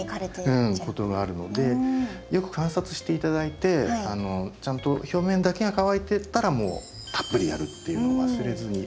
ことがあるのでよく観察して頂いてちゃんと表面だけが乾いてたらもうたっぷりやるっていうのを忘れずに。